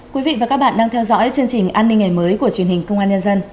quý vị và các bạn đang theo dõi chương trình an ninh ngày mới của truyền hình công an nhân dân